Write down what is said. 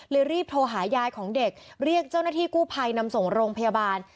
รีบโทรหายายของเด็กเรียกเจ้าหน้าที่กู้ภัยนำส่งโรงพยาบาล